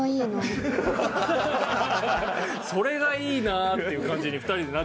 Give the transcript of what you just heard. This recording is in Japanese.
それがいいなっていう感じに２人でなっちゃってる。